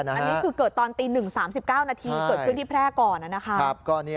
อันนี้คือเกิดตอนตี๑๓๙นาทีเกิดขึ้นที่แพร่ก่อนนะครับ